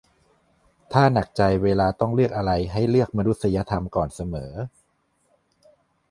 "ถ้าหนักใจเวลาต้องเลือกอะไร ให้เลือกมนุษยธรรมก่อนเสมอ"